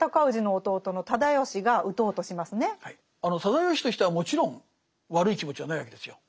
直義という人はもちろん悪い気持ちはないわけですよ。